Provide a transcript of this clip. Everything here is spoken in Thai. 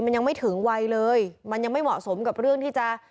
มันยังไม่ถึงวัยเลยมันยังไม่เหมาะสมกับเรื่องที่จะ